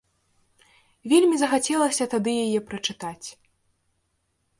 Вельмі захацелася тады яе прачытаць.